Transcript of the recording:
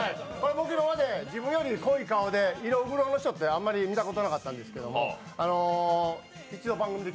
僕今まで自分より濃い顔で色黒の人って、あんまり見たことなかったんですけど。